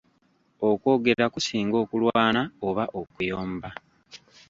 Okwogera kusinga okulwana oba okuyomba.